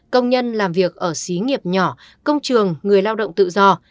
công nhân làm việc ở xí nghiệp nhỏ công trường người lao động tự do